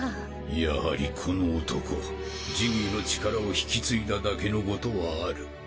やはりこの男ジギーの力を引き継いだだけのことはある